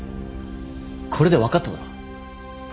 これで分かっただろ。